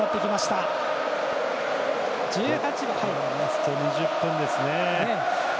ラスト２０分ですね。